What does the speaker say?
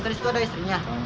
terus itu ada istrinya